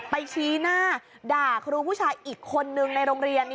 ชี้หน้าด่าครูผู้ชายอีกคนนึงในโรงเรียน